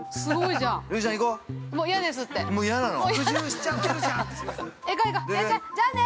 じゃあね。